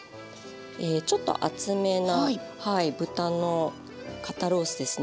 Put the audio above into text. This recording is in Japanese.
ちょっと厚めな豚の肩ロースですね。